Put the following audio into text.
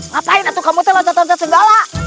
ngapain atu kamu terlontot lontot sebalak